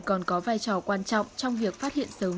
còn có vai trò quan trọng trong việc phát hiện sớm